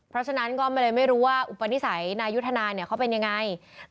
เพราะฉะนั้นก็เลยไม่รู้ว่าอุปนิสัยนายุทธนาเนี่ยเขาเป็นยังไง